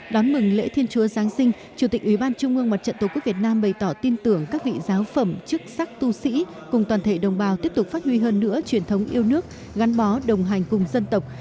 đón mừng lễ thiên chúa giáng sinh chủ tịch ủy ban trung ương mặt trận tổ quốc việt nam bày tỏ tin tưởng các vị giáo phẩm chức sắc tu sĩ cùng toàn thể đồng bào tiếp tục phát huy hơn nữa truyền thống yêu nước gắn bó đồng hành cùng dân tộc